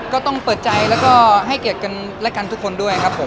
ก็ต้องเปิดใจแล้วก็ให้เกียรติกันและกันทุกคนด้วยครับผม